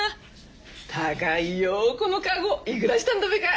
高いよこのかごいくらしたんだべか？